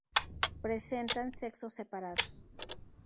Presentan sexos separados.